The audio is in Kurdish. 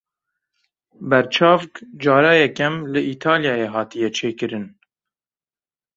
Berçavk cara yekem li Îtalyayê hatiye çêkirin.